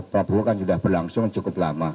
prabowo kan sudah berlangsung cukup lama